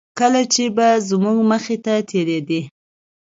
کله چې به زموږ مخې ته تېرېدل.